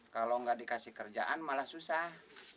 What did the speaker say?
kalau nggak dikasih kerjaan malah susah